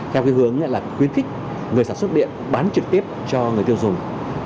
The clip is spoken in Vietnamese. theo cái hướng là khuyến khích người sản xuất điện bán trực tiếp cho người tiêu dùng